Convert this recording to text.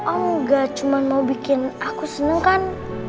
om gak cuma mau bikin aku seneng kan